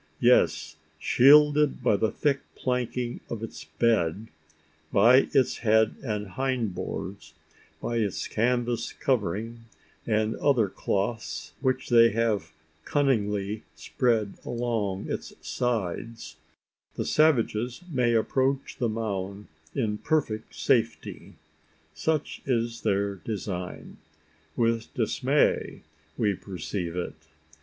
Yes shielded by the thick planking of its bed by its head and hind boards by its canvas covering, and other cloths which they have cunningly spread along its sides, the savages may approach the mound in perfect safety. Such is their design. With dismay, we perceive it.